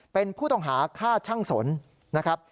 เป็นผู้ต้องหาฆ่าช่างสนนะครับ